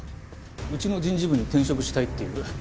うちの人事部に転職したいっていう。